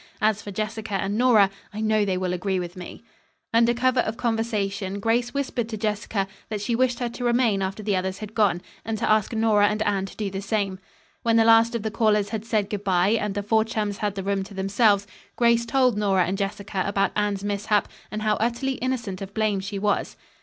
As for Jessica and Nora, I know they will agree with me." Under cover of conversation, Grace whispered to Jessica that she wished her to remain after the others had gone, and to ask Nora and Anne to do the same. When the last of the callers had said good bye, and the four chums had the room to themselves, Grace told Nora and Jessica about Anne's mishap, and how utterly innocent of blame she was.